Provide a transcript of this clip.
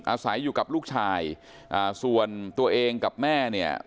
อาศัยอยู่กับลูกชายอ่าส่วนตัวเองกับแม่เนี่ย